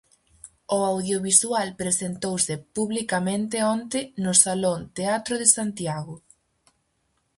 O audiovisual presentouse publicamente onte no Salón Teatro de Santiago.